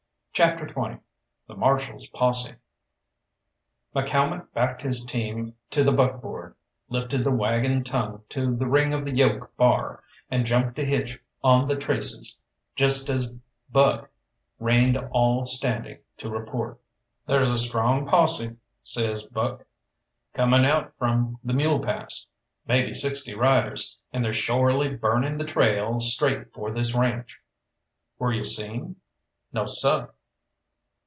CHAPTER XX THE MARSHAL'S POSSE McCalmont backed his team to the buckboard, lifted the waggon tongue to the ring of the yoke bar, and jumped to hitch on the traces, just as Buck reined all standing to report. "There's a strong posse," says Buck, "coming out from the Mule Pass maybe sixty riders, and they're shorely burning the trail straight for this ranche." "Were you seen?" "No, seh!"